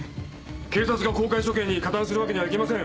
警察が公開処刑に加担するわけにはいきません！